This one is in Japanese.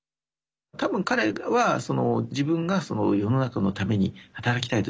多分、彼は自分が世の中のために働きたいと。